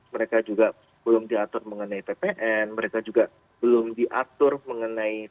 mereka juga belum diatur mengenai ppn mereka juga belum diatur mengenai